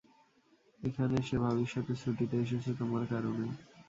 এখানে সে ভাবির সাথে ছুটিতে এসেছে, তোমার কারনে।